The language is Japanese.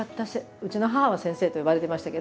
うちの母は「先生」と呼ばれてましたけど。